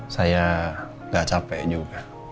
saya nggak capek juga